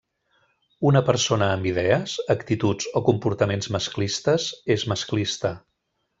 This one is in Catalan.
Una persona amb idees, actituds o comportaments masclistes és masclista.